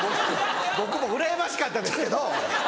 僕もうらやましかったですけど。